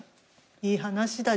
いい話だ。